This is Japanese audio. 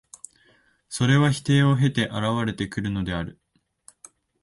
それは否定を経て現れてくるのである。